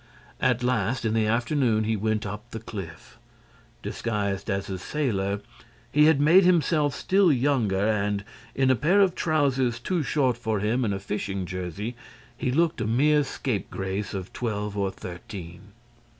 At last, in the afternoon, he went up the cliff. Disguised as a sailor, he had made himself still younger and, in a pair of trousers too short for him and a fishing jersey, he looked a mere scape grace of twelve or thirteen.